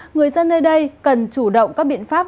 người dân nơi đây cần chủ động các biện pháp